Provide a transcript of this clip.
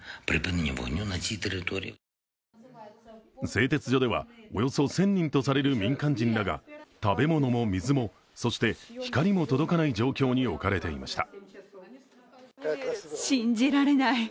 製鉄所ではおよそ１０００人とされる民間人らが食べ物も水も、そして光も届かない状況に置かれていました。